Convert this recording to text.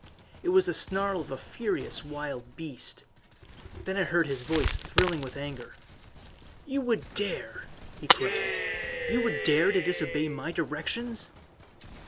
It was the snarl of a furious wild beast. Then I heard his voice thrilling with anger. "You would dare!" he cried. "You would dare to disobey my directions!"